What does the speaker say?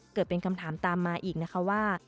เกิดเป็นคำถามตามมาอีกนะคะว่า